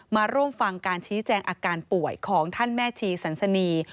มาร่วมฟังการชี้แจงอาการป่วยของท่านแม่ชีสันสนี